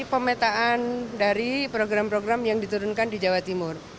jadi pemetaan dari program program yang diturunkan di jawa timur